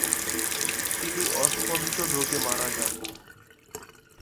তিনি অস্পষ্ট রোগে মারা যান।